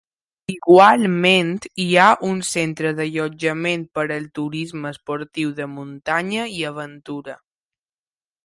Igualment hi ha un centre d'allotjament per al turisme esportiu de muntanya i aventura.